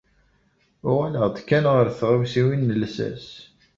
Uɣaleɣ-d kan ɣer tɣawsiwin n llsas.